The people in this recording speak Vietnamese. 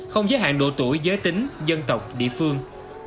không giới hạn độ tuổi giới tính dân tộc địa phương